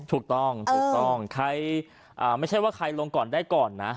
ถูกต้องถูกต้องใครไม่ใช่ว่าใครลงก่อนได้ก่อนนะ